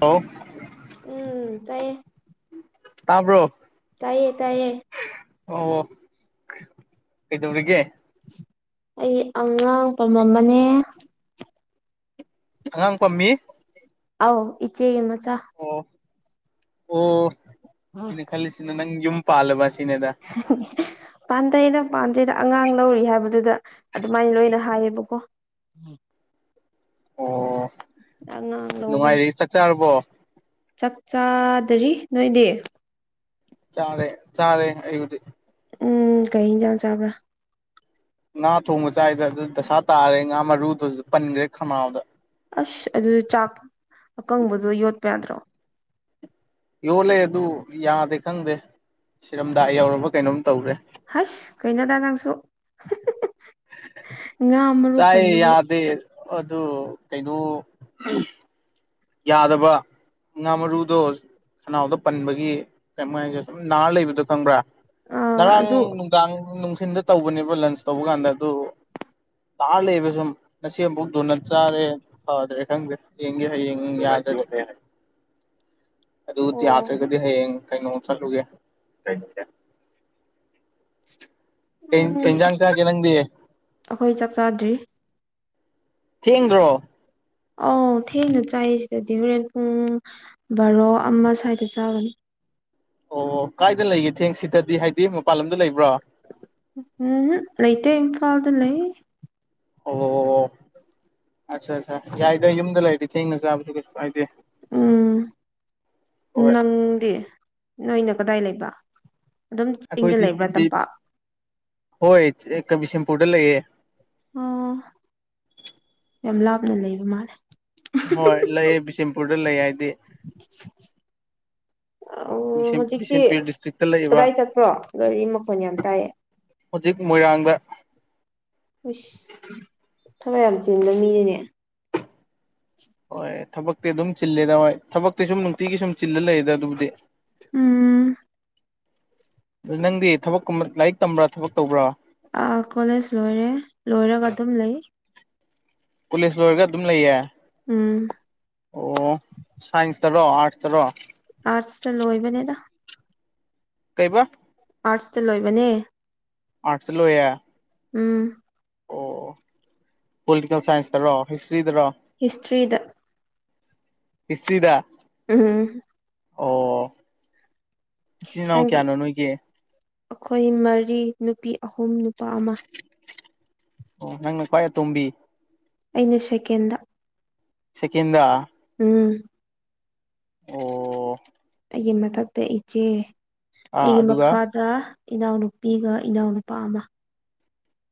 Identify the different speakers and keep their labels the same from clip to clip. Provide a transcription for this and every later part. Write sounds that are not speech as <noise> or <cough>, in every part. Speaker 1: ꯍ
Speaker 2: ꯎꯝ ꯇꯥꯏꯌꯦ
Speaker 1: ꯇꯥꯕ꯭ꯔꯣ
Speaker 2: ꯇꯥꯏꯌꯦ ꯇꯥꯏꯌꯦ
Speaker 1: ꯑꯣ ꯑꯣ ꯀꯩꯗꯧꯔꯤꯒꯦ
Speaker 2: ꯑꯩ ꯑꯉꯥꯡꯄ ꯑꯃꯅꯦ
Speaker 1: ꯑꯉꯥꯡ ꯄꯥꯝꯃꯤ
Speaker 2: ꯑꯥꯎ ꯏꯆꯦ ꯌꯦ ꯃꯆꯥ
Speaker 1: ꯑꯣ ꯑꯣ ꯑꯩꯅ ꯈꯜꯂꯤꯁꯤꯅ ꯅꯪ ꯌꯨꯝ ꯄꯥꯜꯂꯕ ꯁꯤꯅꯦꯗ
Speaker 2: <unintelligible> ꯄꯥꯟꯗꯩꯗ ꯄꯥꯟꯗꯩꯗ ꯑꯉꯥꯡ ꯂꯧꯔꯤ ꯍꯥꯏꯕꯗꯨꯗ ꯑꯗꯨꯃꯥꯏꯅ ꯂꯣꯏꯅ ꯍꯥꯏꯌꯦꯕꯀꯣ
Speaker 1: ꯑꯣ
Speaker 2: ꯑꯉꯥꯡ ꯂꯧꯕꯅꯦ
Speaker 1: ꯅꯨꯡꯉꯥꯏꯔꯤ ꯆꯠ ꯆꯥꯔꯕꯣ
Speaker 2: ꯆꯥꯛ ꯆꯥꯗꯔꯤ ꯅꯣꯏꯗꯤ
Speaker 1: ꯆꯥꯔꯦ ꯆꯥꯔꯦ ꯑꯩꯕꯗꯤ
Speaker 2: ꯎꯝ ꯀꯩ ꯍꯟꯁꯥꯡ ꯆꯥꯕ꯭ꯔꯥ
Speaker 1: ꯉꯥ ꯊꯣꯡꯕ ꯆꯥꯏꯗ ꯑꯗꯨ ꯗꯁꯥ ꯇꯥꯔꯦ ꯉꯥ ꯃꯔꯨꯗꯨꯁꯨ ꯄꯟꯈ꯭ꯔꯦ ꯈꯝꯅꯥꯎꯗ
Speaker 2: ꯑꯁ ꯑꯗꯨꯗꯤ ꯆꯥꯛ ꯑꯀꯪꯕꯗꯣ ꯌꯣꯠꯄ ꯌꯥꯗ꯭ꯔꯣ
Speaker 1: ꯌꯣꯜꯂꯦ ꯑꯗꯨ ꯌꯥꯗꯦ ꯈꯪꯗꯦ ꯁꯤꯔꯝꯗꯥ ꯌꯎꯔꯕ ꯀꯩꯅꯣꯝ ꯇꯧꯔꯦ
Speaker 2: ꯍꯁ ꯀꯩꯅꯩꯅꯗ ꯅꯪꯁꯨ ꯉꯥ ꯃꯔꯨ
Speaker 1: ꯆꯥꯏ
Speaker 2: ꯄꯟꯕꯕꯨ
Speaker 1: ꯌꯥꯗꯦ ꯑꯗꯨ ꯀꯩꯅꯣ ꯌꯥꯗꯕ ꯉꯥ ꯃꯔꯨꯗꯣ ꯈꯅꯥꯎꯗ ꯄꯟꯕꯒꯤ ꯀꯩ ꯍꯥꯏꯁꯦ ꯁꯨꯝ ꯅꯥꯔ ꯂꯩꯕꯗꯣ ꯈꯪꯕ꯭ꯔꯥ
Speaker 2: ꯑꯥ
Speaker 1: ꯉꯔꯥꯡ
Speaker 2: ꯑꯗꯨ
Speaker 1: ꯅꯨꯡꯗꯥꯡ ꯅꯨꯡꯊꯤꯤꯟꯗ ꯇꯧꯕꯅꯦꯕ ꯂꯟꯁ ꯇꯧꯕ ꯀꯥꯟꯗ ꯑꯗꯨ ꯇꯥꯔ ꯂꯩꯕ ꯁꯨꯝ ꯅꯁꯤ ꯑꯃꯨꯐꯛꯛꯇꯨꯅ ꯆꯥꯔꯦ ꯐꯗ꯭ꯔꯦ ꯈꯪꯗ꯭ꯔꯦ ꯌꯦꯡꯒꯦ ꯍꯌꯦꯡ ꯑꯗꯨ
Speaker 2: ꯑꯣ
Speaker 1: ꯌꯥꯗ꯭ꯔꯒꯗꯤ ꯍꯌꯦꯡ ꯀꯩꯅꯣꯡ ꯆꯠꯂꯨꯒꯦ
Speaker 2: ꯎꯝ
Speaker 1: ꯀꯖꯥꯡꯆꯥ ꯅꯗꯤ
Speaker 2: ꯑꯩꯈꯣꯏ ꯆꯥꯛ ꯆꯥꯗ꯭ꯔꯤ
Speaker 1: ꯊꯦꯡꯗ꯭ꯔꯣ
Speaker 2: ꯑꯧ ꯊꯦꯡꯅ ꯆꯥꯏ ꯁꯤꯗꯗꯤ ꯍꯣꯔꯦꯟ ꯄꯨꯡ ꯕꯥꯔꯣ ꯑꯃ ꯁ꯭ꯋꯥꯏꯗ ꯆꯥꯕꯅꯤ
Speaker 1: ꯑꯣ ꯀꯥꯏꯗ ꯂꯩꯒꯦ ꯊꯦꯡ ꯁꯤꯗꯗꯤ ꯍꯥꯏꯗꯤ ꯃꯄꯥꯟ ꯂꯝꯗ ꯂꯩꯕ꯭ꯔꯣ
Speaker 2: ꯎꯝ ꯂꯩꯇꯦ ꯏꯝꯐꯥꯜꯗ ꯂꯩ
Speaker 1: ꯑꯣ ꯑꯣ ꯑꯣ ꯑꯠꯆꯥ ꯑꯠꯆꯥ ꯌꯥꯏꯗ ꯌꯨꯝꯗ ꯂꯩꯔꯗꯤ ꯊꯦꯡꯅ ꯆꯥꯕꯁꯨ ꯀꯩꯁꯨ ꯀꯥꯏꯗꯦ
Speaker 2: ꯎꯝ
Speaker 1: ꯍꯣꯏ
Speaker 2: ꯅꯪꯗꯤ ꯅꯣꯏꯅ ꯀꯗꯥꯏ ꯂꯩꯕ ꯑꯗꯨꯝ ꯆꯤꯡꯗ
Speaker 1: ꯑꯩꯈꯣꯏ
Speaker 2: ꯂꯩꯕ꯭ꯔꯥ ꯇꯝꯄꯥꯛ
Speaker 1: ꯍꯣꯏ ꯀꯕꯤꯁꯦꯝꯄꯨꯔꯗ ꯂꯩꯌꯦ
Speaker 2: ꯑꯣ ꯌꯥꯝ ꯂꯥꯞꯅ ꯂꯩꯕ ꯃꯥꯜꯂꯦ
Speaker 1: ꯍꯣꯏ ꯂꯩ ꯕꯤꯁꯦꯝꯄꯨꯔꯗ ꯂꯩ ꯍꯥꯏꯗꯤ
Speaker 2: ꯑꯣ ꯍꯧꯖꯤꯛꯇꯤ
Speaker 1: ꯕꯤꯁꯦꯝꯄꯨꯔ ꯗꯤꯁꯇ꯭ꯔꯤꯛꯇ ꯂꯩꯕ
Speaker 2: ꯀꯗꯥꯏ ꯆꯠꯄ꯭ꯔꯣ ꯒꯥꯔꯤ ꯃꯈꯣꯟ ꯌꯥꯝ ꯇꯥꯏꯌꯦ
Speaker 1: ꯍꯧꯖꯤꯛ ꯃꯣꯏꯔꯥꯡꯗꯥ
Speaker 2: ꯏꯁ ꯊꯥꯕꯛ ꯌꯥꯝ ꯆꯤꯟꯕ ꯃꯤꯅꯤꯅꯦ
Speaker 1: ꯍꯣꯏ ꯊꯥꯕꯛꯇꯤ ꯑꯗꯨꯝ ꯆꯤꯜꯂꯤꯗꯥ ꯍꯣꯏ ꯊꯥꯕꯛ ꯅꯨꯡꯇꯤ ꯁꯨꯝ ꯅꯨꯡꯇꯤꯒꯤ ꯁꯨꯝ ꯆꯤꯜꯂꯥ ꯂꯩꯗ ꯑꯗꯨꯕꯨꯗꯤ
Speaker 2: ꯎꯝ
Speaker 1: ꯅꯪꯗꯤ ꯊꯥꯕꯛ ꯂꯥꯏꯔꯤꯛ ꯇꯝꯕ꯭ꯔꯥ ꯊꯕꯛ ꯇꯧꯕ꯭ꯔꯥ
Speaker 2: ꯑꯥ ꯀꯣꯂꯦꯖ ꯂꯣꯏꯔꯦ ꯂꯣꯏꯔꯒ ꯑꯗꯨꯝ ꯂꯩ
Speaker 1: ꯀꯣꯂꯦꯁ ꯂꯣꯏꯔꯒ ꯑꯗꯨꯝ ꯂꯩꯌꯦ
Speaker 2: ꯎꯝ
Speaker 1: ꯑꯣ ꯁꯥꯏꯟꯁꯇꯔꯣ ꯑꯔꯥꯠꯁꯇꯔꯣ
Speaker 2: ꯑꯔꯥꯠꯁꯇꯥ ꯂꯣꯏꯕꯅꯦꯗꯥ
Speaker 1: ꯀꯩꯕ
Speaker 2: ꯑꯥꯔꯠꯁꯇꯥ ꯂꯣꯏꯕꯅꯦ
Speaker 1: ꯑꯥꯔꯠꯁꯇꯥ ꯂꯣꯏꯌꯦ
Speaker 2: ꯎꯝ
Speaker 1: ꯑꯣ ꯄꯣꯂꯤꯇꯤꯀꯦꯜ ꯁꯥꯏꯟꯁꯇꯔꯣ ꯍꯤꯁꯇ꯭ꯔꯤꯗꯔꯣ
Speaker 2: ꯍꯤꯁꯇ꯭ꯔꯤꯗ
Speaker 1: ꯍꯤꯁꯇꯔꯤꯗ
Speaker 2: ꯎꯝ
Speaker 1: ꯑꯣ ꯏꯆꯤꯟ ꯅꯥꯎ
Speaker 2: ꯅꯪꯗꯤ
Speaker 1: ꯀꯌꯥꯅꯣ ꯅꯣꯏꯒꯤ
Speaker 2: ꯑꯩꯈꯣꯏ ꯃꯔꯤ ꯅꯨꯄꯤ ꯑꯍꯨꯝ ꯅꯨꯄꯥ ꯑꯃꯥ
Speaker 1: ꯑꯣ ꯅꯪꯅꯥ ꯈꯋꯥꯏ ꯑꯇꯣꯝꯕꯤ
Speaker 2: ꯑꯩꯅ ꯁꯦꯀꯦꯟ
Speaker 1: ꯁꯦꯀꯦꯟꯗꯥ
Speaker 2: ꯎꯝ
Speaker 1: ꯑꯣ
Speaker 2: ꯑꯩꯒꯤ ꯃꯥꯊꯛꯇ ꯏꯆꯦ
Speaker 1: ꯑꯥ
Speaker 2: ꯑꯩꯒꯤ
Speaker 1: ꯑꯗꯨꯒ
Speaker 2: ꯃꯈꯥ ꯔꯥ ꯏꯅꯥꯎꯅꯨꯄꯤꯒꯥ ꯏꯅꯥꯎꯅꯨꯄꯥꯒꯥ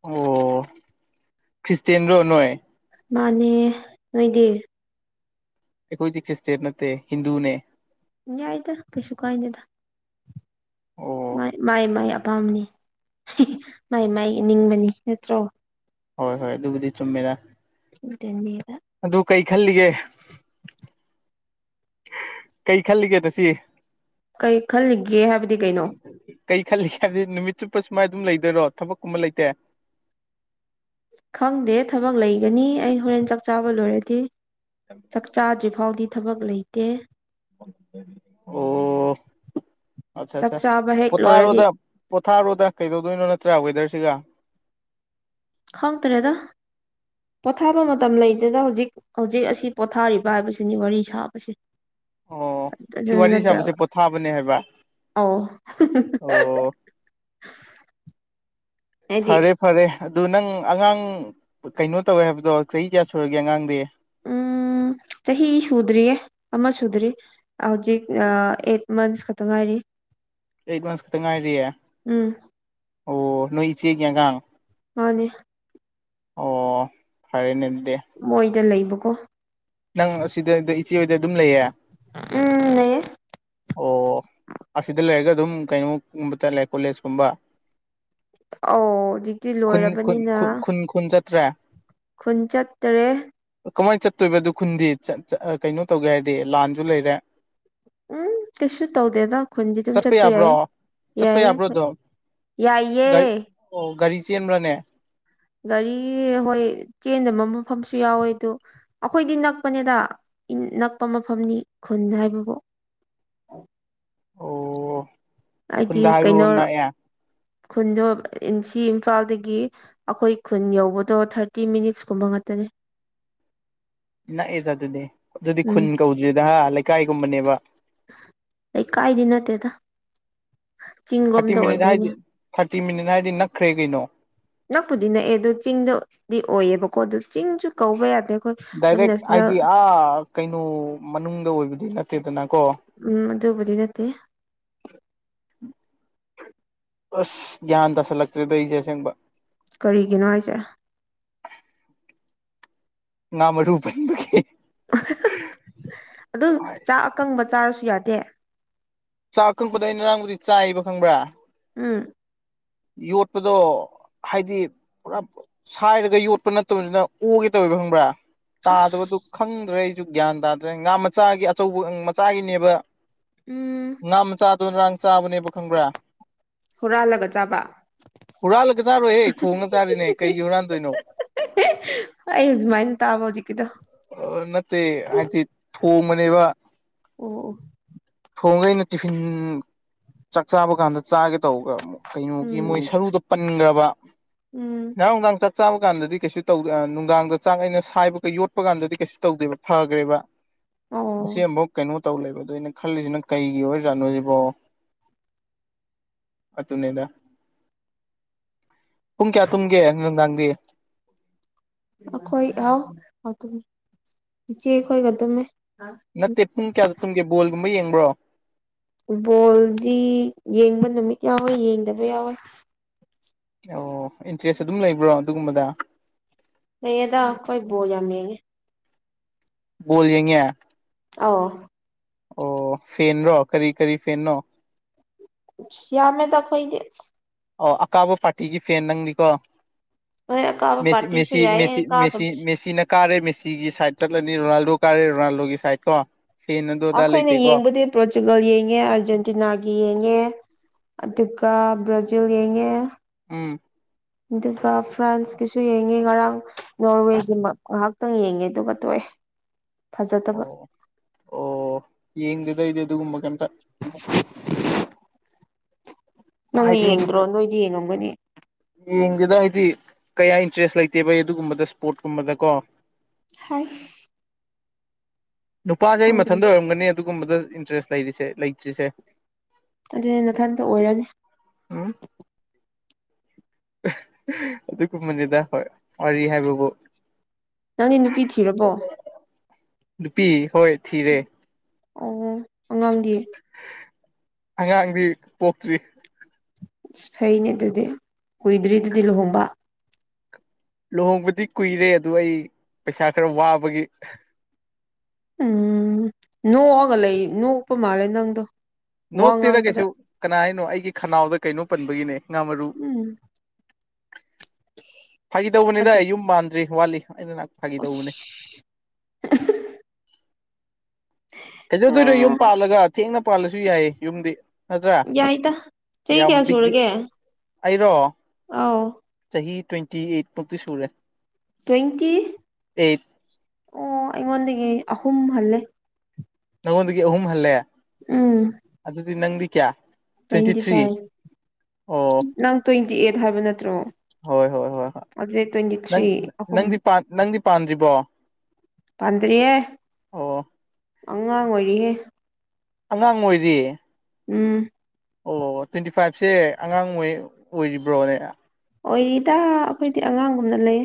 Speaker 1: ꯑꯣ ꯈ꯭ꯔꯤꯁꯇꯦꯟ꯭ꯔꯣ ꯅꯣꯏ
Speaker 2: ꯃꯥꯅꯦ ꯅꯣꯏꯗꯤ
Speaker 1: ꯑꯩꯈꯣꯏꯗꯤ ꯈ꯭ꯔꯤꯁꯇꯦꯟ ꯅꯠꯇꯦ ꯍꯤꯟꯗꯨꯅꯦ
Speaker 2: ꯌꯥꯏꯗ ꯀꯩꯁꯨ ꯀꯥꯏꯗꯦꯗꯥ
Speaker 1: ꯑꯣ
Speaker 2: ꯃꯥꯏ ꯃꯥꯏ ꯑꯄꯥꯝꯕꯅꯤ ꯃꯥꯏ ꯃꯥꯏ ꯑꯅꯤꯡꯕꯅꯤ ꯅꯠꯇ꯭ꯔꯣ
Speaker 1: ꯍꯣꯏ ꯍꯣꯏ ꯑꯗꯨꯕꯨꯗꯤ ꯆꯨꯝꯃꯦ
Speaker 2: <unintelligible>
Speaker 1: ꯑꯗꯨ ꯀꯩ ꯈꯜꯂꯤꯒꯦ ꯀꯩ ꯈꯜꯂꯤꯒꯦ ꯗꯨꯁꯤ
Speaker 2: ꯀꯩ ꯈꯜꯂꯤꯒꯦ ꯍꯥꯏꯕꯗꯤ ꯀꯩꯅꯣ
Speaker 1: ꯀꯩ ꯈꯜꯂꯤꯒꯦ ꯍꯥꯏꯗꯤ ꯅꯨꯃꯤꯠ ꯆꯨꯞꯄ ꯁꯨꯃꯥꯏ ꯑꯗꯨꯝ ꯂꯩꯗꯣꯏꯔꯣ ꯊꯕꯛ ꯀꯨꯝꯕ ꯂꯩꯇꯦ
Speaker 2: ꯈꯪꯗꯦ ꯊꯕꯛ ꯂꯩꯒꯅꯤ ꯑꯩ ꯍꯣꯔꯦꯟ ꯆꯥꯛ ꯆꯥꯕ ꯂꯣꯏꯔꯗꯤ ꯆꯥꯛꯆꯥꯥꯗ꯭ꯔꯤ ꯐꯥꯎꯗꯤ ꯊꯕꯛ ꯂꯩꯇꯦ
Speaker 1: ꯑꯣ ꯑꯆꯥ
Speaker 2: ꯆꯥꯛ
Speaker 1: ꯑꯆꯥ
Speaker 2: ꯆꯥꯕ ꯍꯦꯛ ꯂꯣꯏꯔꯗꯤ
Speaker 1: ꯄꯨꯊꯥꯔꯣꯗꯥ ꯄꯣꯊꯥꯔꯣꯗ ꯀꯩꯗꯧꯗꯣꯏꯅꯣ ꯅꯠꯇ꯭ꯔꯥ ꯋꯦꯗꯔꯁꯤꯒ
Speaker 2: ꯍꯪ ꯇꯥꯔꯦꯗꯥ ꯄꯣꯊꯥꯕ ꯃꯇꯝ ꯂꯩꯇꯦꯗꯥ ꯍꯧꯖꯤꯛ ꯍꯧꯖꯤꯛ ꯑꯁꯤ ꯄꯣꯊꯥꯔꯤꯕ ꯍꯥꯏꯕꯁꯤꯅꯤ ꯋꯥꯔꯤ ꯁꯥꯕꯁꯦ
Speaker 1: ꯑꯣ ꯁꯤ
Speaker 2: ꯑꯗꯨ
Speaker 1: ꯋꯥꯔꯤ
Speaker 2: ꯅꯠꯇ꯭ꯔ
Speaker 1: ꯁꯥꯕꯁꯦ ꯄꯣꯊꯥꯕꯅꯦ ꯍꯥꯏꯕ
Speaker 2: ꯑꯧ
Speaker 1: ꯑꯣ
Speaker 2: ꯍꯥꯏꯗꯤ
Speaker 1: ꯐꯔꯦ ꯐꯔꯦ ꯑꯗꯨ ꯅꯪ ꯑꯉꯥꯡ ꯀꯩꯅꯣ ꯇꯧꯋꯦ ꯍꯥꯏꯕꯗꯣ ꯆꯍꯤ ꯀꯌꯥ ꯁꯨꯔꯒꯦ ꯑꯉꯥꯡꯗꯤ
Speaker 2: ꯎꯝ
Speaker 1: <unintelligible>
Speaker 2: ꯆꯍꯤ ꯁꯨꯗ꯭ꯔꯤꯌꯦ ꯑꯃꯥ ꯁꯨꯗ꯭ꯔꯤ ꯍꯧꯖꯤꯛ ꯑꯩꯠ ꯃꯟꯁ ꯈꯛꯇꯥ ꯉꯥꯏꯔꯤ
Speaker 1: ꯑꯩ ꯂꯣꯟꯁ ꯈꯛꯇꯪ ꯉꯥꯏꯔꯤꯑꯦ
Speaker 2: ꯎꯝ
Speaker 1: ꯑꯣ ꯅꯣꯏ ꯏꯆꯦꯒꯤꯒꯥꯡ
Speaker 2: ꯃꯥꯅꯦ
Speaker 1: ꯑꯣ ꯐꯔꯦꯅꯦ ꯑꯗꯨꯗꯤ
Speaker 2: ꯃꯣꯏꯗ ꯂꯩꯕꯀꯣ
Speaker 1: ꯅꯪ ꯑꯁꯤꯗ ꯏꯆꯦ ꯍꯣꯏꯗ ꯑꯗꯨꯝ ꯂꯩꯌꯦ
Speaker 2: ꯎꯝ ꯂꯩꯌꯦ
Speaker 1: ꯑꯣ ꯑꯁꯤꯗ ꯂꯩꯔꯒ ꯑꯗꯨꯝ ꯀꯩꯅꯣꯒꯨꯝꯕ ꯆꯠꯂꯦ ꯀꯣꯂꯦꯖꯀꯨꯝꯕ
Speaker 2: ꯑꯧ ꯍꯧꯖꯤꯛꯇꯤ ꯂꯣꯏꯔꯕꯅꯤꯅ
Speaker 1: ꯀꯨꯟꯖ ꯇ꯭ꯔꯦ
Speaker 2: ꯈꯨꯟ ꯆꯠꯇꯔꯦ
Speaker 1: ꯀꯃꯥꯏꯅ ꯆꯠꯇꯣꯏꯕ ꯑꯗꯨ ꯈꯨꯟꯗꯤ ꯀꯩꯅꯣ ꯇꯧꯒꯦ ꯍꯥꯏꯔꯗꯤ ꯂꯥꯟꯁꯨ ꯂꯩꯔꯦ
Speaker 2: ꯎꯝ ꯀꯩꯁꯨ ꯇꯧꯗꯦꯗ ꯈꯨꯟꯗꯤ ꯑꯗꯨꯝ ꯆꯠꯄ ꯌꯥꯏ
Speaker 1: ꯆꯠꯄ
Speaker 2: ꯌꯥꯏꯌꯦ
Speaker 1: ꯌꯥꯕ꯭ꯔꯣꯗꯣ
Speaker 2: ꯌꯥꯏꯌꯦ
Speaker 1: ꯒꯥꯔꯤ ꯑꯣ ꯒꯥꯔꯤ ꯆꯦꯟꯕ꯭ꯔꯥꯅꯦ
Speaker 2: ꯒꯥꯔꯤ ꯍꯣꯏ ꯆꯦꯟꯗꯕ ꯃꯐꯝꯁꯨ ꯌꯥꯎꯋꯦ ꯑꯗꯨ ꯑꯩꯈꯣꯏꯗꯤ ꯅꯛꯄꯅꯦꯗ ꯅꯛꯄ ꯃꯐꯝꯅꯤ ꯈꯨꯟ ꯍꯥꯏꯕꯕꯨ
Speaker 1: ꯑꯣ
Speaker 2: ꯍꯥꯏꯗꯤ
Speaker 1: ꯈꯨꯟꯗ
Speaker 2: ꯀꯩꯅꯣ
Speaker 1: ꯍꯥꯏꯕꯕꯨ ꯅꯛꯑꯦ
Speaker 2: ꯈꯨꯟꯗꯣ ꯁꯤ ꯏꯝꯐꯥꯜꯗꯒꯤ ꯑꯩꯈꯣꯏ ꯈꯨꯟ ꯌꯧꯕꯗꯣ ꯊꯥꯔꯇꯤ ꯃꯤꯅꯤꯠꯁ ꯀꯨꯝꯕ ꯉꯥꯛꯇꯅꯦ
Speaker 1: ꯅꯛꯑꯦꯗ ꯑꯗꯨꯗꯤ ꯑꯗꯨꯗꯤ
Speaker 2: ꯎꯝ
Speaker 1: ꯈꯨꯟ ꯀꯧꯗ꯭ꯔꯤꯗ ꯍꯥ ꯂꯩꯀꯥꯏꯒꯨꯝꯕꯅꯦꯕ
Speaker 2: ꯂꯩꯀꯥꯏꯗꯤ ꯅꯠꯇꯦꯗ
Speaker 1: ꯊꯥꯔꯇꯤ
Speaker 2: ꯆꯤꯡꯔꯣꯝꯗ
Speaker 1: ꯃꯤꯅꯤꯠ
Speaker 2: ꯑꯣꯏꯗꯣꯏꯅꯦ
Speaker 1: ꯍꯥꯏꯗꯤ ꯊꯥꯔꯇꯤ ꯃꯤꯅꯤꯠ ꯍꯥꯏꯔꯗꯤ ꯅꯛꯈ꯭ꯔꯦ ꯀꯩꯅꯣ
Speaker 2: ꯅꯛꯄꯨꯗꯤ ꯅꯛꯑꯦ ꯑꯗꯣ ꯆꯤꯡꯗꯗꯤ ꯑꯣꯏꯌꯦꯕꯀꯣ ꯑꯗꯨ ꯆꯤꯡꯁꯨ ꯀꯧꯕ ꯌꯥꯗꯦ ꯑꯩꯈꯣꯏ ꯑꯗꯨꯝ
Speaker 1: ꯗꯥꯏꯔꯦꯛ
Speaker 2: ꯅꯦꯁꯅꯦꯜ
Speaker 1: ꯍꯥꯏꯗꯤ ꯑꯥ ꯀꯩꯅꯣ ꯃꯅꯨꯡꯗ ꯑꯣꯏꯕꯗꯤ ꯅꯠꯇꯦꯗꯅ
Speaker 2: ꯎꯝ ꯑꯗꯨꯕꯨꯗꯤ ꯅꯠꯇꯦ
Speaker 1: ꯑꯁ ꯒ꯭ꯌꯥꯟ ꯇꯥꯁꯜꯂꯛꯇ꯭ꯔꯦꯗꯣ ꯑꯩꯁꯦ ꯑꯁꯦꯡꯕ
Speaker 2: ꯀꯔꯤꯒꯤꯅꯣ ꯍꯥꯏꯁꯦ
Speaker 1: ꯉꯥ ꯃꯔꯨ ꯄꯟꯕꯒꯤ
Speaker 2: ꯑꯗꯨꯝ ꯆꯥꯛ ꯑꯀꯪꯕ ꯆꯥꯔꯁꯨ ꯌꯥꯗꯦ
Speaker 1: ꯆꯥꯛ ꯑꯀꯛꯄꯗ ꯑꯩꯅ ꯉꯔꯥꯡꯕꯨꯗꯤ ꯆꯥꯌꯦꯕ ꯈꯪꯕ꯭ꯔꯥ
Speaker 2: ꯎꯝ
Speaker 1: ꯌꯣꯠꯄꯗꯣ ꯍꯥꯏꯗꯤ ꯄꯨꯔꯥ ꯁꯥꯏꯔꯒ ꯌꯣꯠꯄ ꯅꯠꯇꯕꯅꯤꯅ ꯑꯣꯒꯦ ꯇꯧꯕ ꯈꯪꯕ꯭ꯔꯥ ꯇꯥꯗꯕꯗꯨ ꯈꯪꯗ꯭ꯔꯦ ꯑꯩꯁꯨ ꯒ꯭ꯌꯥꯟ ꯇꯥꯗ꯭ꯔꯦ ꯉꯥ ꯃꯆꯥꯒꯤ ꯑꯆꯧꯕ ꯃꯆꯥꯒꯤꯅꯦꯕ
Speaker 2: ꯎꯝ
Speaker 1: ꯉꯥꯝ ꯃꯆꯥꯥꯗꯣ ꯉꯔꯥꯡ ꯆꯥꯕꯅꯦꯕ ꯈꯪꯕ꯭ꯔꯥ
Speaker 2: ꯍꯨꯔꯥꯜꯂꯒ ꯆꯥꯕ
Speaker 1: ꯍꯨꯔꯥꯂꯒ ꯆꯥꯔꯣꯏꯍꯦ ꯊꯣꯡꯉꯒ ꯆꯥꯔꯤꯅꯦ ꯀꯩꯒꯤ ꯍꯨꯔꯥꯟꯗꯣꯏꯅꯣ
Speaker 2: ꯑꯩ ꯑꯗꯨꯃꯥꯏꯅ ꯇꯥꯕ ꯍꯧꯖꯤꯛꯀꯤꯗꯣ
Speaker 1: ꯅꯠꯇꯦ ꯍꯥꯏꯗꯤ ꯊꯣꯡꯕꯅꯦꯕ
Speaker 2: ꯑꯣ ꯑꯣ
Speaker 1: ꯊꯣꯡꯒ ꯑꯩꯅ ꯇꯤꯐꯤꯟ ꯆꯥꯛ ꯆꯥꯕ ꯀꯥꯟꯗ ꯆꯥꯒꯦ ꯇꯧꯕꯒ ꯀꯩꯅꯣꯒꯤ ꯃꯣꯏ
Speaker 2: ꯎꯝ
Speaker 1: ꯁꯔꯨꯗ ꯄꯟꯈ꯭ꯔꯕ
Speaker 2: ꯎꯝ
Speaker 1: ꯅꯍꯥꯡ ꯅꯨꯡꯗꯥꯡ ꯆꯥꯛ ꯆꯥꯕ ꯀꯥꯟꯗꯗꯤ ꯀꯩꯁꯨ ꯇꯧꯗꯦ ꯅꯨꯡꯗꯥꯡꯗ ꯆꯥꯛ ꯑꯩꯅ ꯁꯥꯏꯕꯒꯩ ꯌꯣꯄ ꯀꯥꯟꯗꯗꯤ ꯀꯩꯁꯨ ꯇꯧꯗꯦꯕ ꯐꯈ꯭ꯔꯦꯕ
Speaker 2: ꯑꯣ
Speaker 1: ꯃꯁꯤ ꯑꯃꯨꯛ ꯀꯩꯅꯣ ꯇꯧ ꯂꯩꯕ ꯑꯗꯨꯏꯅꯦ ꯈꯜꯂꯤꯁꯤꯅ ꯀꯩꯒꯤ ꯑꯣꯏꯔꯖꯥꯠꯅꯣ ꯁꯤꯕꯣ ꯑꯗꯨꯅꯦꯗ ꯄꯨꯡ ꯀꯌꯥ ꯇꯨꯝꯒꯦ ꯅꯨꯡꯗꯥꯡꯗꯤ
Speaker 2: ꯑꯩꯈꯣꯏ ꯑꯥꯎ ꯏꯆꯦꯈꯣꯏꯒ ꯑꯗꯨꯝꯃꯦ
Speaker 1: ꯅꯠꯇꯦ ꯄꯨꯡ ꯀꯌꯥꯗ ꯇꯨꯝꯒꯦ ꯕꯣꯜꯒꯨꯝꯕ ꯌꯦꯡꯕ꯭ꯔꯣ
Speaker 2: ꯐꯨꯠ ꯕꯣꯜꯗꯤ ꯌꯦꯡꯕ ꯅꯨꯃꯤꯠ ꯌꯥꯎꯋꯦ ꯌꯦꯡꯗꯕ ꯌꯥꯎꯋꯦ꯫
Speaker 1: ꯑꯣ ꯏꯟꯇꯔꯦꯁ ꯑꯗꯨꯝ ꯂꯩꯕ꯭ꯔꯣ ꯑꯗꯨꯒꯨꯝꯕꯗ꯫
Speaker 2: ꯂꯩꯌꯦꯗ ꯀꯣꯏ ꯕꯣꯜ ꯌꯥꯝ ꯌꯦꯡꯉꯦ꯫
Speaker 1: ꯕꯣꯜ ꯌꯦꯡꯉꯦ꯫
Speaker 2: ꯑꯥꯎ꯫
Speaker 1: ꯑꯣ ꯐꯦꯟ꯭ꯔꯣ ꯀꯔꯤ ꯀꯔꯤ ꯐꯦꯟꯅꯣ꯫
Speaker 2: ꯑꯁ ꯌꯥꯝꯃꯦꯇ ꯈꯣꯏꯗꯤ꯫
Speaker 1: ꯑꯣ ꯑꯀꯥꯕ ꯄꯥꯔꯇꯤꯒꯤ ꯐꯦꯟ ꯅꯪꯗꯤꯀꯣ꯫
Speaker 2: ꯅꯣꯏ ꯑꯀꯥꯕ
Speaker 1: ꯃꯁꯤ
Speaker 2: ꯄꯥꯔꯇꯤꯁꯨ
Speaker 1: ꯃꯦꯁꯤ ꯃꯦꯁꯤ
Speaker 2: ꯌꯥꯏꯌꯦ
Speaker 1: ꯃꯦꯁꯤ
Speaker 2: ꯀꯥꯗꯕꯁꯨ
Speaker 1: ꯃꯦꯁꯤꯅ__ ꯀꯥꯔꯦ ꯃꯦꯁꯤꯒꯤ ꯁꯥꯏꯠ ꯆꯠꯂꯅꯤ ꯔꯣꯅꯥꯜꯗꯣ ꯀꯥꯔꯦ ꯔꯣꯅꯥꯜꯗꯣꯒꯤ ꯁꯥꯏꯠ ꯀꯣ ꯐꯦꯟ ꯑꯗꯨ ꯑꯗꯥ
Speaker 2: ꯑꯩꯈꯣꯏꯅ
Speaker 1: ꯂꯩꯇꯦꯀꯣ꯫
Speaker 2: ꯌꯦꯡꯕꯗꯤ ꯄꯣꯔꯇꯨꯒꯜ ꯌꯦꯡꯉꯦ ꯑꯥꯔꯖꯦꯟꯇꯤꯅꯥꯒꯤ ꯌꯦꯡꯉꯦ꯫ ꯑꯗꯨꯒ ꯕ꯭ꯔꯥꯖꯤꯜ ꯌꯦꯡꯉꯦ꯫
Speaker 1: ꯎꯝ
Speaker 2: ꯑꯗꯨꯒ ꯐ꯭ꯔꯥꯟꯁꯀꯤꯁꯨ ꯌꯦꯡꯉꯤ ꯉꯔꯥꯡ꯫ ꯅꯣꯔꯋꯦꯒꯤ ꯉꯥꯏꯍꯥꯛꯇꯪ ꯌꯦꯡꯉꯦ ꯑꯗꯨꯒ ꯇꯣꯛꯑꯦ ꯐꯖꯗꯕ꯫
Speaker 1: ꯑꯣ ꯑꯣ ꯌꯦꯡꯗꯦꯗꯩꯗꯤ ꯑꯗꯨꯒꯨꯝꯕ ꯀꯩꯝꯇ꯫
Speaker 2: ꯎꯝ ꯅꯪꯅ ꯌꯦꯡꯗ꯭ꯔꯣ ꯅꯣꯏꯗꯤ ꯌꯦꯡꯉꯝꯒꯅꯤ꯫
Speaker 1: ꯌꯦꯡꯒꯦꯗ ꯍꯥꯏꯗꯤ ꯀꯌꯥ ꯏꯟꯇꯔꯦꯁ ꯂꯩꯇꯦꯕꯩ ꯑꯗꯨꯒꯨꯝꯕꯗ ꯏꯁꯄꯣꯔꯠꯀꯨꯝꯕꯗ ꯀꯣ꯫
Speaker 2: ꯍꯥꯏ꯫
Speaker 1: ꯅꯨꯄꯥꯁꯦ ꯑꯩ
Speaker 2: ꯈꯪꯗ꯭ꯔꯦ
Speaker 1: ꯃꯊꯟꯇ ꯑꯣꯏꯔꯝꯒꯅꯤ ꯑꯗꯨꯒꯨꯝꯕꯗ ꯏꯟꯇꯔꯦꯁ ꯂꯩꯔꯤꯁꯦ ꯂꯩꯇ꯭ꯔꯤꯁꯦ꯫
Speaker 2: ꯑꯗꯨꯅꯦꯅ ꯈꯟꯗ ꯑꯣꯏꯔꯅꯤ꯫
Speaker 1: ꯎꯝ ꯑꯗꯨꯒꯨꯝꯕꯅꯤꯗ ꯍꯣꯏ ꯋꯥꯔꯤ ꯍꯥꯏꯕꯕꯨ꯫
Speaker 2: ꯅꯪꯗꯤ ꯅꯨꯄꯤ ꯊꯤꯔꯕꯣ꯫
Speaker 1: ꯅꯨꯄꯤ ꯍꯣꯏ ꯊꯤꯔꯦ꯫
Speaker 2: ꯑꯣ ꯑꯉꯥꯡꯒꯤ꯫
Speaker 1: ꯑꯉꯥꯡꯗꯤ ꯄꯣꯛꯇ꯭ꯔꯤ꯫
Speaker 2: ꯐꯩꯅꯦ ꯑꯗꯨꯗꯤ ꯀꯨꯏꯗ꯭ꯔꯤꯗꯨꯗꯤ ꯂꯨꯍꯣꯡꯕ꯫
Speaker 1: ꯂꯨꯍꯣꯡꯕꯗꯤ ꯀꯨꯏꯔꯦ ꯑꯗꯨ ꯑꯩ ꯄꯩꯁꯥ ꯈꯔ ꯋꯥꯕꯒꯤ꯫
Speaker 2: ꯎꯝ ꯅꯣꯛꯑꯒ ꯂꯩ ꯅꯣꯛꯄ ꯃꯥꯜꯂꯦ ꯅꯪꯗꯣ꯫ ꯋꯥ
Speaker 1: ꯅꯣꯛꯇꯦꯗ ꯀꯩꯁꯨ
Speaker 2: ꯉꯥꯡꯕꯗ
Speaker 1: ꯀꯅꯥ ꯍꯥꯏꯅꯣ ꯑꯩꯒꯤ ꯈꯅꯥꯎꯗ ꯀꯩꯅꯣ ꯄꯟꯕꯒꯤꯅꯦ ꯉꯥ ꯃꯔꯨ꯫
Speaker 2: ꯎꯝ
Speaker 1: ꯐꯥꯒꯤꯗꯧꯕꯅꯦꯗ
Speaker 2: ꯑꯗꯨ
Speaker 1: ꯌꯨꯝ ꯃꯥꯟꯗ꯭ꯔꯤ ꯋꯥꯠꯂꯤ ꯑꯩꯅ ꯅꯍ ꯐꯥꯒꯤꯗꯧꯕꯅꯦ꯫
Speaker 2: ꯑꯁ
Speaker 1: ꯀꯩꯗꯧꯗꯣꯏꯅꯣ ꯌꯨꯝ ꯄꯥꯜꯂꯒ ꯊꯦꯡꯅ ꯄꯥꯜꯂꯁꯨ ꯌꯥꯏꯌꯦ ꯌꯨꯝꯗꯤ꯫ ꯅꯠꯇ꯭ꯔꯥ
Speaker 2: ꯌꯥꯏꯗ ꯆꯍꯤ
Speaker 1: ꯌꯥꯝ
Speaker 2: ꯀꯌꯥ
Speaker 1: ꯄꯕꯤꯛꯗꯤ
Speaker 2: ꯁꯨꯔꯒꯦ
Speaker 1: ꯑꯩꯔꯣ__
Speaker 2: ꯑꯥꯎ
Speaker 1: ꯆꯍꯤ ꯇ꯭ꯋꯦꯟꯇꯤ ꯑꯩꯠꯃꯨꯛꯇꯤ ꯁꯨꯔꯦ꯫
Speaker 2: ꯇ꯭ꯋꯦꯟꯇꯤ
Speaker 1: ꯑꯩꯠ
Speaker 2: ꯑꯣ ꯑꯩꯉꯣꯟꯗꯒꯤ ꯑꯍꯨꯝ ꯍꯜꯂꯦ꯫
Speaker 1: ꯅꯪꯉꯣꯟꯗꯒꯤ ꯑꯍꯨꯝ ꯍꯜꯂꯦ꯫
Speaker 2: ꯎꯝ꯫
Speaker 1: ꯑꯗꯨꯗꯤ ꯅꯪꯗꯤ ꯀꯌꯥ꯫
Speaker 2: ꯇ꯭ꯋꯦꯟꯇꯤ ꯐꯥꯏꯚ
Speaker 1: ꯑꯣ
Speaker 2: ꯅꯪ ꯇ꯭ꯋꯦꯟꯇꯤ ꯑꯩꯠ ꯍꯥꯏꯕ ꯅꯠꯇ꯭ꯔꯣ꯫
Speaker 1: ꯍꯣꯏ ꯍꯣꯏ ꯍꯣꯏ ꯍꯣꯏ
Speaker 2: ꯇ꯭ꯋꯦꯟꯇꯤ
Speaker 1: ꯅꯪ
Speaker 2: ꯊ꯭ꯔꯤ ꯑꯍꯨꯝ
Speaker 1: ꯅꯪꯗꯤ ꯄꯥꯟ ꯅꯪꯗꯤ ꯄꯥꯝꯁꯤꯕꯣ
Speaker 2: ꯄꯥꯟꯗ꯭ꯔꯤꯍꯦ
Speaker 1: ꯑꯣ
Speaker 2: ꯑꯉꯥꯡ ꯑꯣꯏꯔꯤꯍꯦ
Speaker 1: ꯑꯉꯥꯡ ꯑꯣꯏꯔꯤ
Speaker 2: ꯎꯝ
Speaker 1: ꯑꯣ ꯇ꯭ꯋꯦꯟꯇꯤ ꯐꯥꯏꯚꯁꯦ ꯑꯉꯥꯡꯉꯩ ꯑꯣꯏꯔꯤꯕ꯭ꯔꯣꯅꯦ
Speaker 2: ꯑꯣꯏꯔꯤꯗ ꯑꯩꯈꯣꯏꯗꯤ ꯑꯉꯥꯡꯒꯨꯝꯅ ꯂꯩ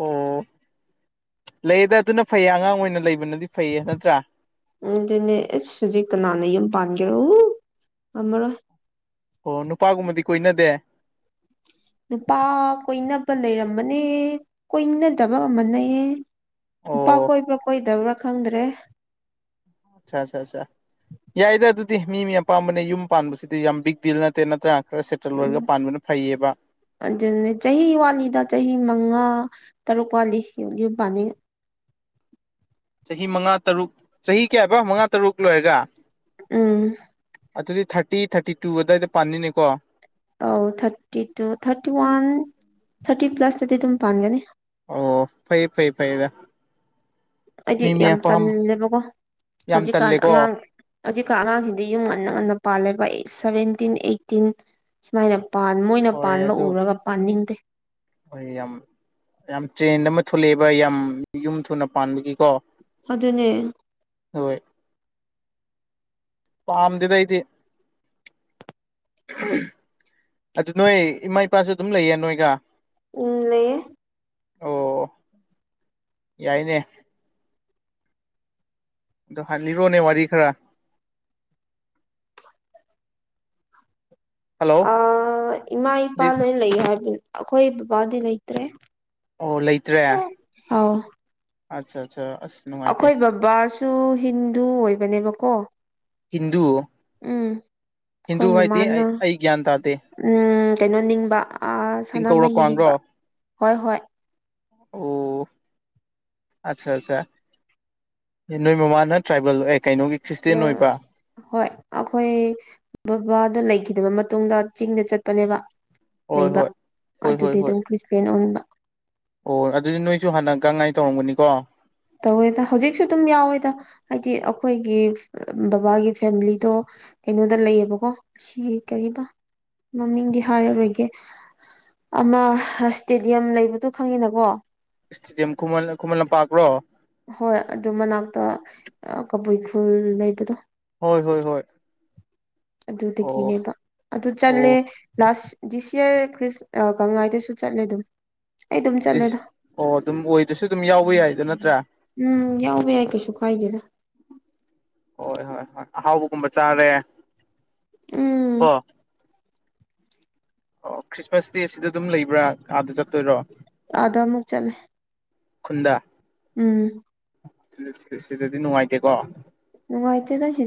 Speaker 1: ꯑꯣ ꯂꯩꯌꯦꯗ ꯑꯗꯨꯅ ꯐꯩꯌꯦ ꯑꯉꯥꯡ ꯑꯣꯏꯅ ꯂꯩꯕꯅꯗꯤ ꯐꯩꯌꯦ ꯅꯠꯇ꯭ꯔꯥ
Speaker 2: ꯑꯗꯨꯅꯦ ꯑꯦꯁ ꯍꯧꯖꯤꯛ ꯀꯅꯥꯅ ꯌꯨꯝ ꯄꯥꯟꯒꯦꯔꯣ ꯊꯃꯔꯣꯏ꯫
Speaker 1: ꯑꯣ ꯅꯨꯄꯥꯒꯨꯝꯕꯗꯤ ꯀꯣꯏꯅꯗꯦ
Speaker 2: ꯅꯨꯄꯥ ꯀꯣꯏꯅꯕ ꯂꯩꯔꯝꯕꯅꯦ ꯀꯣꯏꯅꯗꯕꯒꯨꯝꯕꯅꯦ ꯅꯨꯄꯥ
Speaker 1: ꯑꯣ
Speaker 2: ꯀꯣꯏꯕ꯭ꯔꯥ ꯀꯣꯏꯗꯕ꯭ꯔꯥ ꯈꯪꯗ꯭ꯔꯦ
Speaker 1: ꯑꯠꯆꯥ ꯑꯆꯥ ꯑꯆꯥ ꯌꯥꯏꯗ ꯑꯗꯨꯗꯤ ꯃꯤ ꯃꯤ ꯑꯄꯥꯝꯕꯅꯤ ꯌꯨꯝ ꯄꯥꯟꯕꯁꯤꯗꯤ ꯌꯥꯝ ꯕꯤꯛ ꯗꯤꯜ ꯅꯠꯇꯦ ꯅꯠꯇ꯭ꯔꯥ ꯈꯔ ꯁꯦꯞꯇꯦꯝꯕꯔꯗ
Speaker 2: ꯎꯝ
Speaker 1: ꯄꯥꯟꯕꯅ ꯐꯩꯌꯦꯕ
Speaker 2: ꯑꯗꯨꯅꯦ ꯆꯍꯤ ꯋꯥꯠꯂꯤꯗ ꯆꯍꯤ ꯃꯉꯥ ꯇꯔꯨꯛ ꯋꯥꯠꯂꯤ ꯌꯨꯝ ꯄꯥꯅꯤ
Speaker 1: ꯆꯍꯤ ꯃꯉꯥ ꯇꯔꯨꯛ ꯆꯍꯤ ꯀꯌꯥꯕ ꯃꯉꯥ ꯇꯔꯨꯛ ꯂꯣꯏꯔꯒ
Speaker 2: ꯎꯝ
Speaker 1: ꯑꯗꯨꯗꯤ ꯊꯥꯔꯇꯤ ꯊꯥꯔꯇꯤ ꯇꯨ ꯑꯗꯨꯋꯥꯏꯗ ꯄꯟꯅꯤꯅꯦꯀꯣ
Speaker 2: ꯑꯧ thirty two thirty one thirty ꯄ꯭ꯂꯁꯇꯗꯤ ꯑꯗꯨꯝ ꯄꯥꯟꯒꯅꯤ
Speaker 1: ꯑꯣ ꯐꯩꯌ ꯐꯩꯌꯦ ꯐꯩꯗ
Speaker 2: ꯑꯩꯗꯤ
Speaker 1: ꯃꯤ ꯃꯤ
Speaker 2: ꯌꯥꯝ
Speaker 1: ꯑꯄꯥꯝ
Speaker 2: ꯇꯟꯂꯦꯕꯀꯣ
Speaker 1: ꯌꯥꯝ
Speaker 2: ꯍꯧꯖꯤꯛꯀꯥꯟ
Speaker 1: ꯇꯜꯂꯦꯀꯣ
Speaker 2: ꯑꯉꯥꯡ ꯍꯧꯖꯤꯛꯀ ꯑꯉꯥꯡꯁꯤꯗꯤ ꯌꯨꯝ ꯉꯟꯅ ꯉꯟꯅ ꯄꯥꯜꯂꯦꯕ ꯁꯚꯦꯟꯇꯤꯟ ꯑꯩꯠꯇꯤꯟ ꯁꯨꯃꯥꯏꯅ ꯄꯥꯟ ꯃꯣꯏꯅ
Speaker 1: ꯍꯣꯏ
Speaker 2: ꯄꯥꯟꯕ
Speaker 1: ꯑꯗꯨ
Speaker 2: ꯎꯔꯒ ꯄꯥꯟꯅꯤꯡꯗꯦ
Speaker 1: ꯍꯣꯏ ꯌꯥꯝ ꯌꯥꯝ ꯇ꯭ꯔꯦꯟ ꯑꯃ ꯊꯣꯛꯂꯛꯑꯦꯕ ꯌꯥꯝ ꯌꯨꯝ ꯊꯨꯅ ꯄꯥꯟꯕꯒꯤꯀꯣ
Speaker 2: ꯑꯗꯨꯅꯦ
Speaker 1: ꯍꯣꯏ ꯄꯥꯝꯗꯦꯗ ꯑꯩꯗꯤ ꯑꯗꯨ ꯅꯣꯏ ꯏꯃꯥ ꯏꯄꯥꯁꯨ ꯑꯗꯨꯝ ꯂꯩꯌꯦ ꯅꯣꯏꯒ
Speaker 2: ꯎꯝ ꯂꯩꯌꯦ
Speaker 1: ꯑꯣ ꯌꯥꯏꯅꯦ꯫ ꯑꯗꯣ ꯍꯥꯟ ꯂꯤꯔꯛꯑꯣꯅꯦ ꯋꯥꯔꯤ ꯈꯔ ꯍꯜꯂꯣ
Speaker 2: ꯑ ꯏꯃꯥ ꯏꯄꯥ ꯂꯣꯏ ꯂꯩ ꯍꯥꯏꯕꯅꯤ ꯑꯩꯈꯣꯏ ꯕꯕꯥꯗꯤ ꯂꯩꯇ꯭ꯔꯦ
Speaker 1: ꯑꯥꯎ ꯂꯩꯇ꯭ꯔꯦ꯫
Speaker 2: ꯑꯥꯎ
Speaker 1: ꯑꯆꯥ ꯑꯆꯥ ꯑꯁ ꯅꯨꯡꯉꯥꯏꯇꯦ
Speaker 2: ꯑꯩꯈꯣꯏ ꯕꯕꯥꯁꯨ ꯍꯤꯟꯗꯨ ꯑꯣꯏꯕꯅꯦꯕꯀꯣ
Speaker 1: ꯍꯤꯟꯗꯨ
Speaker 2: ꯎꯝ ꯑꯩꯈꯣꯏ
Speaker 1: ꯍꯤꯟꯗꯨ ꯍꯥꯏꯗꯤ
Speaker 2: ꯃꯃꯥꯅ
Speaker 1: ꯑꯩ ꯑꯩ ꯒ꯭ꯌꯥꯟ ꯇꯥꯗꯦ
Speaker 2: ꯎꯝ ꯀꯩꯅꯣ ꯅꯤꯡꯕ ꯑ
Speaker 1: ꯆꯤꯡꯀꯧꯔ
Speaker 2: ꯁꯅꯥꯃꯍꯤ ꯅꯤꯡꯕ
Speaker 1: ꯀ꯭ꯋꯥꯡꯔꯣ
Speaker 2: ꯍꯣꯏ ꯍꯣꯏ
Speaker 1: ꯑꯣ ꯑꯆꯥ ꯑꯆꯥ ꯑ ꯅꯣꯏ ꯃꯃꯥꯅ ꯇ꯭ꯔꯥꯏꯕꯦꯜ ꯑ ꯀꯩꯅꯣꯒꯤ ꯈ꯭ꯔꯤꯁꯇꯦꯟ ꯑꯣꯏꯕ
Speaker 2: <unintelligible> ꯍꯣꯏ ꯑꯩꯈꯣꯏ ꯕꯕꯥꯗꯨ ꯂꯩꯈꯤꯗꯕ ꯃꯇꯨꯡꯗ ꯆꯤꯡꯗ ꯆꯠꯄꯅꯦꯕ
Speaker 1: ꯍꯣꯏ
Speaker 2: ꯂꯩꯕ
Speaker 1: ꯍꯣꯏ ꯍꯣꯏ ꯍꯣꯏ
Speaker 2: ꯑꯗꯨꯗꯤ
Speaker 1: ꯍꯣꯏ
Speaker 2: ꯑꯗꯨꯝ ꯈ꯭ꯔꯤꯁꯇꯦꯟ ꯑꯣꯟꯕ
Speaker 1: ꯑꯣ ꯑꯗꯨꯗꯤ ꯅꯣꯏꯁꯨ ꯍꯥꯟꯅꯒꯥꯡ ꯉꯥꯏ ꯇꯧꯔꯝꯒꯅꯤꯀꯣ
Speaker 2: ꯇꯧꯋꯦꯗ ꯍꯧꯖꯤꯛꯁꯨ ꯑꯗꯨꯝ ꯌꯥꯎꯋꯦꯗ ꯍꯥꯏꯗꯤ ꯑꯩꯈꯣꯏꯒꯤ ꯕꯕꯥꯒꯤ ꯐꯦꯝꯂꯤꯗꯣ ꯀꯩꯅꯣꯗ ꯂꯩꯌꯦꯕꯀꯣ ꯁꯤ ꯀꯔꯤꯕ ꯃꯃꯤꯡꯗꯤ ꯍꯥꯏꯔꯔꯣꯏꯒꯦ ꯑꯃ ꯏꯁꯇꯦꯗꯤꯌꯝ ꯂꯩꯕꯗꯣ ꯈꯪꯉꯤꯅꯀꯣ
Speaker 1: ꯏꯁꯇꯦꯗꯤꯌꯝ ꯈꯨꯃꯟ ꯈꯨꯃꯟ ꯂꯝꯄꯥꯛꯂꯣ
Speaker 2: ꯍꯣꯏ ꯑꯗꯨ ꯃꯅꯥꯛꯇ ꯀꯕꯨꯏ ꯈꯨꯜ ꯂꯩꯕꯗꯣ
Speaker 1: ꯍꯣꯏ ꯍꯣꯏ ꯍꯣꯏ꯫ ꯑꯣ
Speaker 2: ꯑꯗꯨꯗꯒꯤꯅꯦꯕ ꯑꯗꯨ ꯆꯠꯂꯦ
Speaker 1: ꯑꯣ
Speaker 2: ꯂꯥꯁ ꯗꯤꯁ ꯏꯌꯥꯔ ꯈ꯭ꯔꯤꯁ ꯑ ꯒꯪꯉꯥꯏꯗꯁꯨ ꯆꯠꯂꯦ ꯑꯗꯨꯝ꯫ ꯑꯩ ꯑꯗꯨꯝ
Speaker 1: ꯗꯤꯁ
Speaker 2: ꯆꯠꯂꯦꯗ
Speaker 1: ꯑꯣ ꯑꯗꯨꯝ ꯑꯣꯏꯗꯁꯨ ꯑꯗꯨꯝ ꯌꯥꯎꯕ ꯌꯥꯏꯗ ꯅꯠꯇ꯭ꯔꯥ꯫
Speaker 2: ꯎꯝ ꯌꯥꯎꯕ ꯌꯥꯏ ꯀꯩꯁꯨ ꯀꯥꯏꯗꯦꯗ꯫
Speaker 1: ꯍꯣꯏ ꯍꯣꯏ ꯍꯣꯏ ꯑꯍꯥꯎꯕꯒꯨꯝꯕ ꯆꯥꯔꯦ
Speaker 2: ꯎꯝ
Speaker 1: ꯀꯣ꯫ ꯑꯣ ꯈ꯭ꯔꯤꯁꯃꯥꯁꯇꯤ ꯁꯤꯗ ꯑꯗꯨꯝ ꯂꯩꯕ꯭ꯔꯥ ꯑꯥꯗ ꯆꯠꯇꯣꯏꯔꯣ꯫
Speaker 2: ꯑꯗꯥ ꯑꯃꯨꯛ ꯆꯠꯂꯦ꯫
Speaker 1: ꯈꯨꯟꯗꯥ꯫
Speaker 2: ꯎꯝ꯫
Speaker 1: ꯁꯤ ꯁꯤꯗꯗꯤ ꯅꯨꯡꯉꯥꯏꯇꯦꯀꯣ꯫
Speaker 2: ꯅꯨꯡꯉꯥꯏꯇꯦꯗ ꯁꯤ